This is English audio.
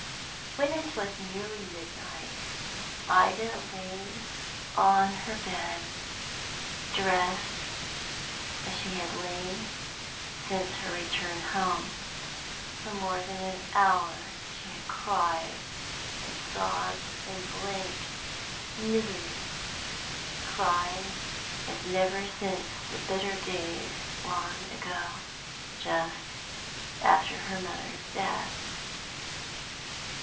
When it was nearly midnight, Ida lay on her bed, dressed, as she had lain since her return home. For more than an hour she had cried and sobbed in blank misery, cried as never since the bitter days long ago, just after her mother's death.